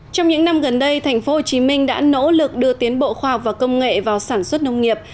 trong những năm gần đây thành phố hồ chí minh đã nỗ lực đưa tiến bộ khoa học và công nghệ vào sản xuất nông nghiệp